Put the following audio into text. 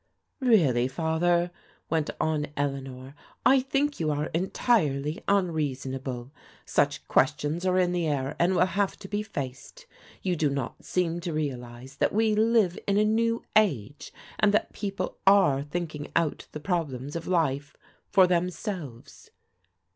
" Really, Father," went on Eleanor, I think you are entirely unreasonable. Such questions are in the air and will have to be faced. You do not seem to realize that we live in a new age, and that people are thinking out the problems of life for themselves."